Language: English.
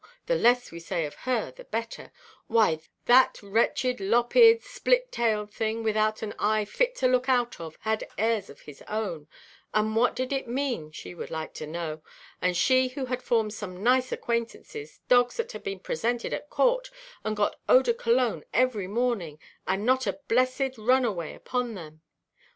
the less we say of her the better;—why, that wretched, lop–eared, split–tailed thing, without an eye fit to look out of, had airs of his own; and what did it mean, she would like to know, and she who had formed some nice acquaintances, dogs that had been presented at Court, and got Eau–de–Cologne every morning, and not a blessed [run away] upon them?